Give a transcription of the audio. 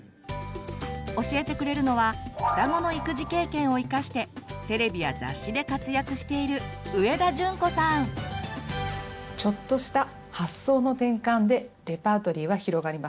教えてくれるのは双子の育児経験を生かしてテレビや雑誌で活躍しているちょっとした発想の転換でレパートリーは広がります。